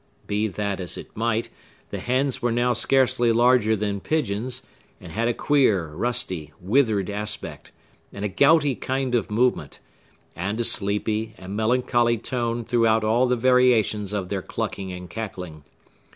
Be that as it might, the hens were now scarcely larger than pigeons, and had a queer, rusty, withered aspect, and a gouty kind of movement, and a sleepy and melancholy tone throughout all the variations of their clucking and cackling.